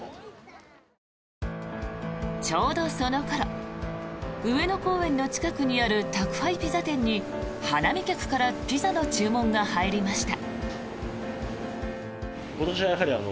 ちょうどその頃上野公園の近くにある宅配ピザ店に花見客からピザの注文が入りました。